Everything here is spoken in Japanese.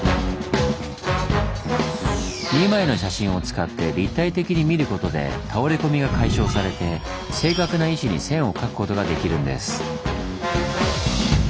２枚の写真を使って立体的に見ることで倒れ込みが解消されて正確な位置に線を描くことができるんです。